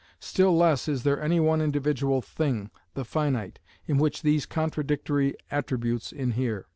Still less is there any one individual thing, "The Finite," in which these contradictory attributes inhere.